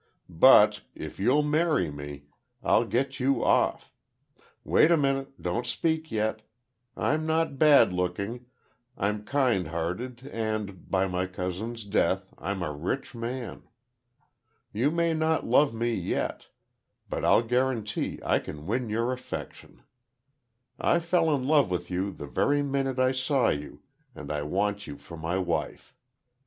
But—if you'll marry me, I'll get you off. Wait a minute—don't speak yet. I'm not bad looking, I'm kind hearted and, by my cousin's death, I'm a rich man. You may not love me yet—but I'll guarantee I can win your affection. I fell in love with you, the very minute I saw you and I want you for my wife.